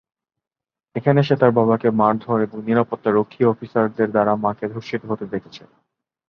এখানে সে তার বাবাকে মারধর এবং নিরাপত্তা রক্ষী অফিসারদের দ্বারা মাকে ধর্ষিত হতে দেখেছে।